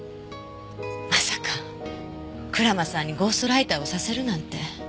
まさか蔵間さんにゴーストライターをさせるなんて。